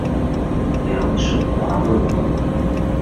梁质华未婚。